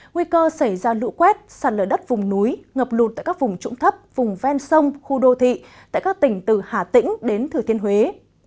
nguy cơ xảy ra lũ quét sạt lở đất vùng núi ngập lụt tại các vùng trũng thấp vùng ven sông khu đô thị tại các tỉnh từ hà tĩnh đến thừa thiên huế